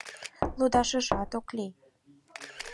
Лудашыжат ок лий.